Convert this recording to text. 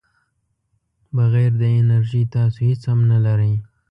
بغیر د انرژۍ تاسو هیڅ هم نه لرئ.